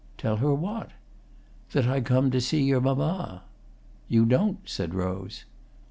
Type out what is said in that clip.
"Tell her what?" "That I come to see your mamma." "You don't," said Rose.